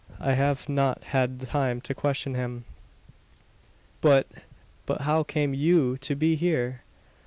I have not had time to question him." "But but, how came you to be here?"